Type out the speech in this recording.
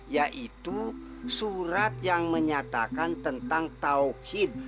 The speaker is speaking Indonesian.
yaitu surat yang menyatakan tentang tauhid